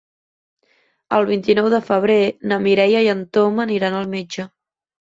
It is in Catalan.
El vint-i-nou de febrer na Mireia i en Tom aniran al metge.